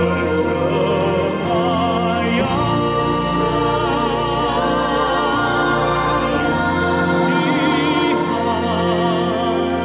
negeri yang sabar